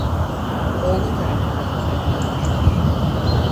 Oğlu tarafında öldürülmüştür.